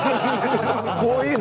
「こういうの」